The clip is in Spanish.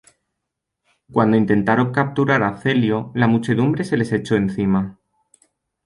Cuando intentaron capturar a Celio, la muchedumbre se les echó encima.